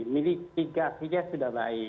milih tiga tiga sudah baik